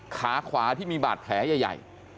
ขาขวาที่มีบาดแผลใหญ่